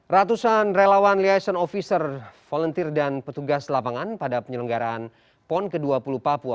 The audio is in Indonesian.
ratusan relawan liaison officer volunteer dan petugas lapangan pada penyelenggaraan pon ke dua puluh papua